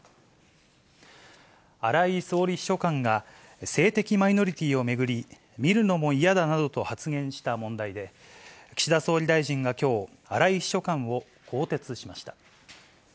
荒井総理秘書官が、性的マイノリティを巡り、見るのも嫌だなどと発言した問題で、岸田総理大臣がきょう、荒井秘書官を更迭しました。